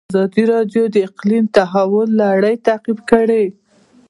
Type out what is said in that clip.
ازادي راډیو د اقلیم د تحول لړۍ تعقیب کړې.